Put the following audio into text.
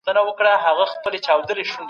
ایا د ناروغیو په وخت کي د ډاکټر مشوره لازمه ده؟